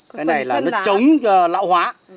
cái này là nó chống lão hóa